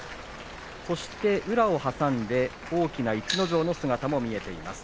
そして宇良を挟んで大きな逸ノ城の姿も見えています。